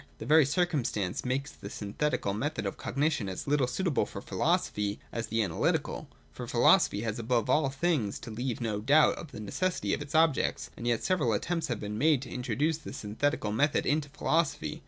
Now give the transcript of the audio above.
This very circumstance makes the synthetical method of cognition as little suitable for philosophy as the analjrtical : for philosophy has above all things to leave no doubt of the necessity of its objects. And yet several attempts have been made to introduce the syn thetical method into philosophy.